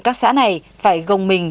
các xã này phải gồng mình